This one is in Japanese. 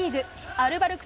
アルバルク